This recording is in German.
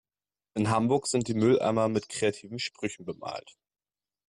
In Hamburg sind die Mülleimer mit kreativen Sprüchen bemalt.